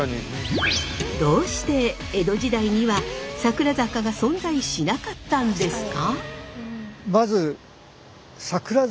どうして江戸時代には桜坂が存在しなかったんですか？